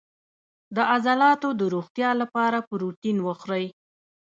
د عضلاتو د روغتیا لپاره پروتین وخورئ